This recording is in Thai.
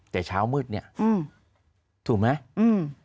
แต่เช้ามืดเนี่ยถูกไหม